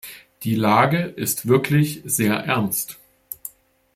Die Lage ist wirklich sehr ernst.